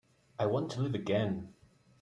I want to live again.